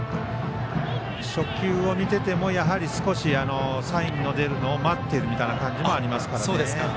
初球を見ていてもサインの出るのを待っているみたいなところがありますからね。